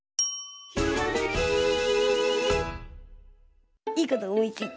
「ひらめき」いいことおもいついた。